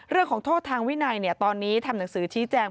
เรื่องของโทษทางวินัยตอนนี้ทำหนังสือชี้แจง